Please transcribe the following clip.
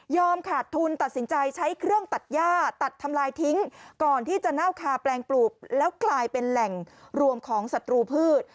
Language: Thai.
ขาดทุนตัดสินใจใช้เครื่องตัดย่าตัดทำลายทิ้งก่อนที่จะเน่าคาแปลงปลูกแล้วกลายเป็นแหล่งรวมของศัตรูพืช